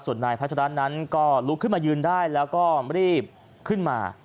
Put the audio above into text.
ส่วนนายพัชระนั้นก็ลุกขึ้นมายืนได้แล้วก็รีบขึ้นมา